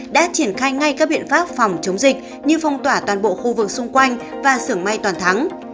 đã triển khai ngay các biện pháp phòng chống dịch như phong tỏa toàn bộ khu vực xung quanh và sưởng may toàn thắng